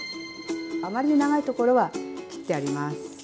あまり長いところは切ってあります。